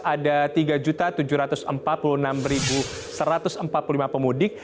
ada tiga tujuh ratus empat puluh enam satu ratus empat puluh lima pemudik